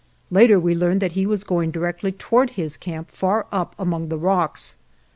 Later we learned that he was going directly toward his camp far up among the rocks.